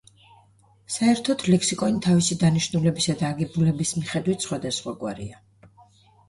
საერთოდ, ლექსიკონი თავისი დანიშნულებისა და აგებულების მიხედვით სხვადასხვაგვარია.